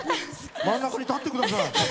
真ん中に立ってください。